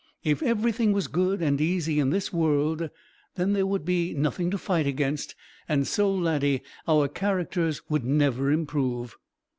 "If everything was good and easy in this world, then there would be nothing to fight against, and so, Laddie, our characters would never improve."